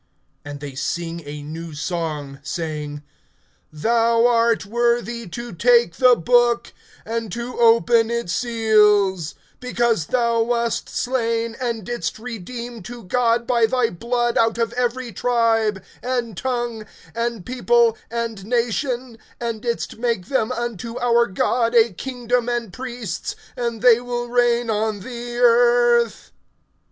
(9)And they sing a new song, saying: Thou art worthy to take the book, and to open its seals; because thou wast slain, and didst redeem to God by thy blood out of every tribe, and tongue, and people, and nation; (10)and didst make them unto our God[5:10] a kingdom and priests, and they will reign on the earth.